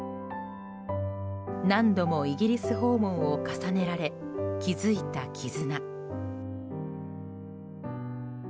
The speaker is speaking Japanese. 何度もイギリス訪問を重ねられ築いた絆。